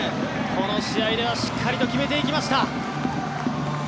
この試合ではしっかりと決めていきました。